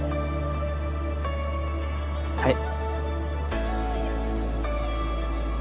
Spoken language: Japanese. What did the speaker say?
はい。